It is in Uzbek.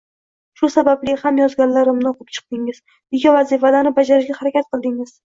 Shu sababli ham yozganlarimni o’qib chiqdingiz, uyga vazifalarni bajarishga harakat qildingiz